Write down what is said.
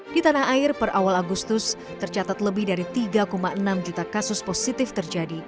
di tanah air per awal agustus tercatat lebih dari tiga enam juta kasus positif terjadi